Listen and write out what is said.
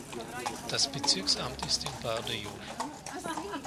Das Bezirksamt ist in Bardejov.